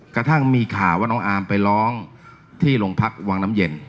กระทั่งมีข่าวว่าน้องอาร์มไปร้องที่โรงพักวังน้ำเย็น